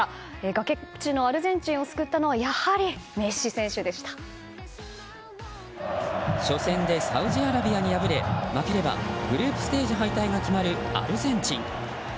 崖っぷちのアルゼンチンを救ったのは初戦でサウジアラビアに敗れ負ければグループステージ敗退が決まるアルゼンチン。